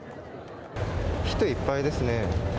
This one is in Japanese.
人いっぱいですね。